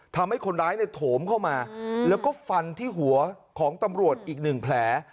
ทำให้คนร้ายโถมเข้ามาแล้วก็ฟันที่หัวของตำรวจอีกหนึ่งแผล